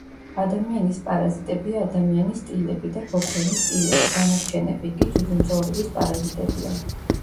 ადამიანის პარაზიტებია ადამიანის ტილები და ბოქვენის ტილები, დანარჩენები კი ძუძუმწოვრების პარაზიტებია.